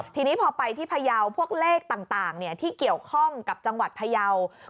ทีนี้พอไปที่พยาวพวกเลขต่างที่เกี่ยวข้องกับจังหวัดพยาว